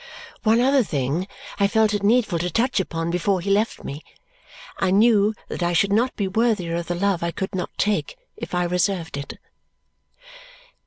One other thing I felt it needful to touch upon before he left me. I knew that I should not be worthier of the love I could not take if I reserved it.